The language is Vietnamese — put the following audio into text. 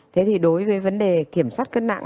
thế thì đối với vấn đề kiểm soát cân nặng